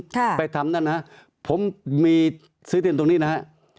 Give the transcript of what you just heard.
ไปทำนั่นนะฮะผมมีซื้อเทียนตรงนี้นะฮะ